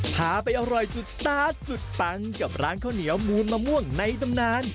พาไปอร่อยสุดตาสุดปังกับร้านข้าวเหนียวมูลมะม่วงในตำนาน